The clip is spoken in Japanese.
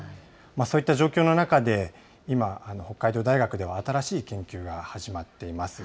そういった状況の中で、今、北海道大学では新しい研究が始まっています。